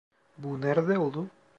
Bu nerede oldu?